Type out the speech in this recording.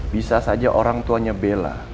bisa saja orang tuanya bela